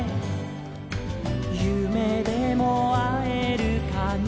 「ゆめでもあえるかな」